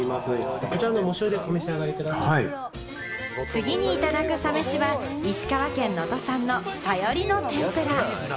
次にいただくサ飯は、石川県能登産のサヨリの天ぷら。